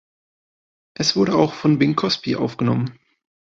Es wurde auch von Bing Crosby aufgenommen.